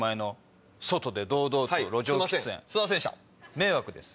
迷惑です。